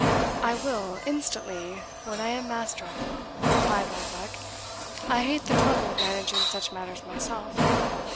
"I will, instantly, when I am master of it," replied Oldbuck "I hate the trouble of managing such matters myself.